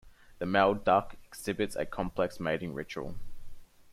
The male duck exhibits a complex mating ritual.